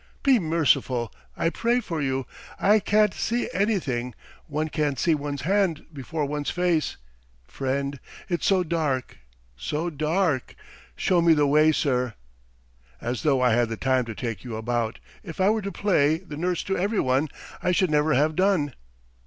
"Be merciful! I'll pray for you. I can't see anything; one can't see one's hand before one's face, friend. ... It's so dark, so dark! Show me the way, sir!" "As though I had the time to take you about; if I were to play the nurse to everyone I should never have done."